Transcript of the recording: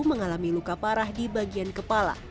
mengalami luka parah di bagian kepala